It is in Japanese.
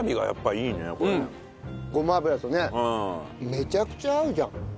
めちゃくちゃ合うじゃん。